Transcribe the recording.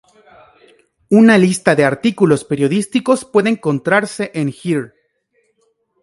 Una lista de artículos periodísticos puede encontrarse en here.